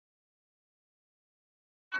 ایا ته پوهېږې چي تر اوسه هلته څه کار سوی دی؟